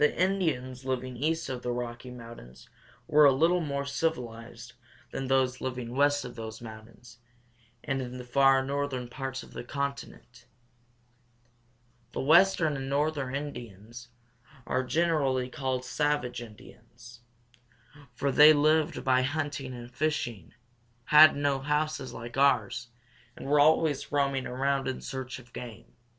The Indians living east of the Rocky Mountains were a little more civilized than those living west of those mountains and in the far northern parts of the continent. [Illustration: A Wigwam.] The western and northern Indians are generally called savage Indians, for they lived by hunting and fishing, had no houses like ours, and were always roaming around in search of game.